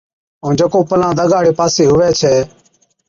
ائُون جڪو پَلاند اَگاڙي پاسي ھُوي ڇَي